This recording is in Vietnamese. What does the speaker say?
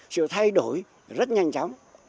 sự thay đổi rất nhanh chóng